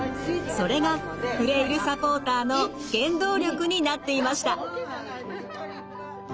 それがフレイルサポーターの原動力になっていました。